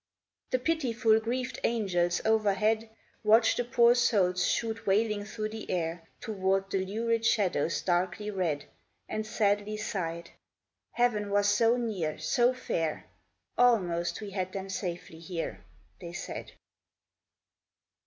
The pitiful, grieved angels overhead Watched the poor souls shoot wailing through the air Toward the lurid shadows darkly red, And sadly sighed. " Heaven was so near, so fair, Almost we had them safely here," they said.